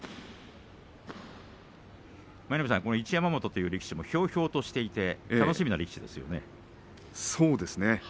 舞の海さん一山本という力士もひょうひょうとしてそうですね。